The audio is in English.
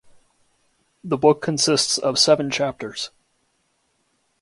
The book consists of seven chapters.